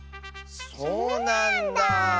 そうなんだあ。